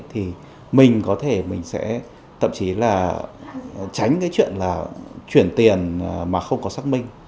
thì mình có thể mình sẽ thậm chí là tránh cái chuyện là chuyển tiền mà không có xác minh